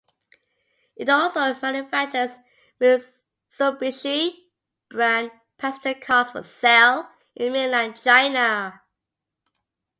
It also manufactures Mitsubishi brand passenger cars for sale in mainland China.